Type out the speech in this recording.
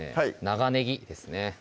長ねぎですね